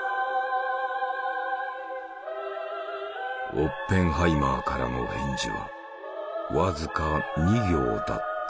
オッペンハイマーからの返事は僅か２行だった。